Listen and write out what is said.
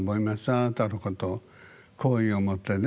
あなたのことを好意を持ってね。